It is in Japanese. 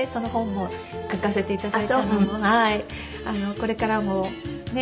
これからもねえ